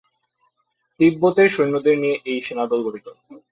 তিব্বতের সৈন্যদের নিয়ে এই সেনাদল গঠিত।